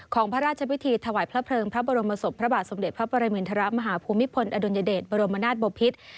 พระราชพิธีถวายพระเพลิงพระบรมศพพระบาทสมเด็จพระปรมินทรมาฮภูมิพลอดุลยเดชบรมนาศบพิษ